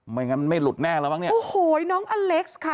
ไม่งั้นไม่หลุดแน่แล้วมั้งเนี่ยโอ้โหน้องอเล็กซ์ค่ะ